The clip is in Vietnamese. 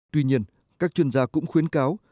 tuy nhiên các chuyên gia cũng khuyến cáo